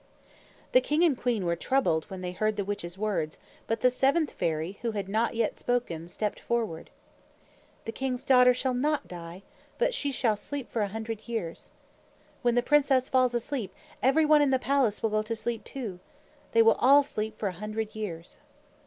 The king and queen were troubled when they heard the witch's words, but the seventh fairy, who had not yet spoken, stepped forward. "The king's daughter shall not die, but she shall sleep for a hundred years. When the princess falls asleep, everyone in the palace will go to sleep, too. They will all sleep for a hundred years."